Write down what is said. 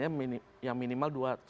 yang minimal dua tahun